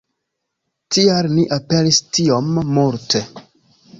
Tial ni aperis tiom multe.